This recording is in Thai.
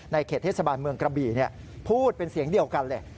เขตเทศบาลเมืองกระบี่พูดเป็นเสียงเดียวกันเลย